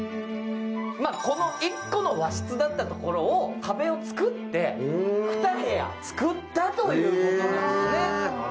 この一個の和室だったところを壁を作って２部屋作ったということなんでね。